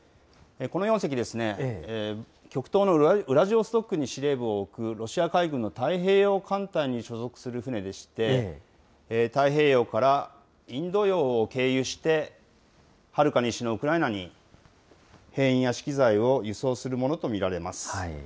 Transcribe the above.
この４隻ですね、極東のウラジオストクに司令部を置く、ロシア海軍の太平洋艦隊に所属する船でして、太平洋からインド洋を経由して、はるか西のウクライナに兵員や資機材を輸送するものと見られます。